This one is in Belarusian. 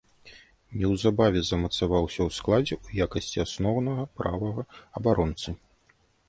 Неўзабаве замацаваўся ў складзе ў якасці асноўнага правага абаронцы.